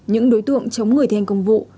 những đối tượng chống người thi hành công vụ